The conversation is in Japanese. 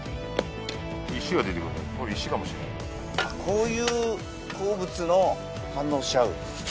こういう鉱物の反応しちゃう？